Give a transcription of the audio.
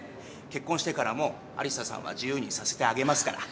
結婚してからも有沙さんは自由にさせてあげますから。